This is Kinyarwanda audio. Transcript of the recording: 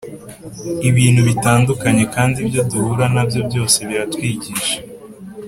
ibintu bitandukanye kandi ibyo duhura na byo byose biratwigisha